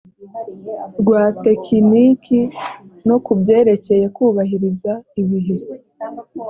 rwa tekiniki no ku byerekeye kubahiriza ibihe